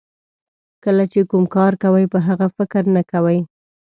کله چې کوم کار کوئ په هغه فکر نه کوئ.